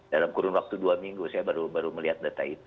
dalam kurun waktu dua minggu saya baru melihat data itu